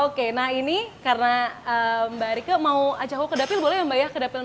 oke nah ini karena mbak rike mau ajak lo ke dapil boleh ya mbak ya